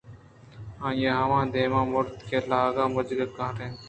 آئی ءَ ہما دمان ءَ مَرت کہ لاگ ءِ مجگ گار اِنت